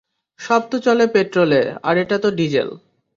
সব তো চলে পেট্রোলে, আর এটা তো ডিজেল।